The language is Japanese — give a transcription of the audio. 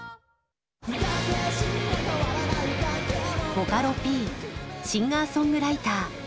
ボカロＰシンガーソングライター。